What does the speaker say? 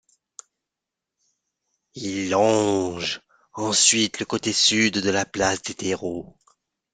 Ils longent ensuite le côté sud de la place des Terreaux.